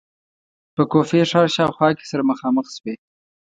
په کوفې ښار شاوخوا کې سره مخامخ شوې.